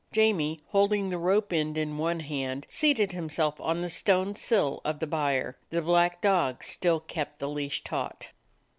Jamie, holding the rope end in one hand, seated himself 'on the stone sill of the byre; the black dog still kept the leash taut.